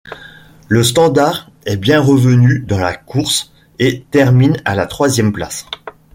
Le Standard est bien revenu dans la course et termine à la troisième place.